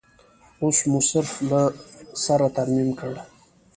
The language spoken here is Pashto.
اوس مو صرف له سره ترمیم کړ.